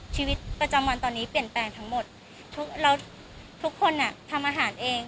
ชีวิตประจำวันตอนนี้เปลี่ยนแปลงทั้งหมดทุกแล้วทุกคนอ่ะทำอาหารเอง